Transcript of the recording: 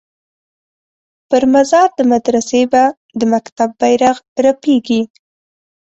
پر مزار د مدرسې به د مکتب بیرغ رپیږي